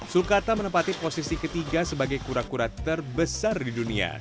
sulkata menempati posisi ketiga sebagai kura kura terbesar di dunia